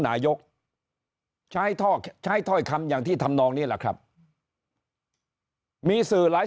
นายกใช้ท่อใช้ถ้อยคำอย่างที่ทำนองนี้แหละครับมีสื่อหลาย